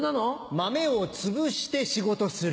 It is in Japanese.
マメをつぶして仕事する。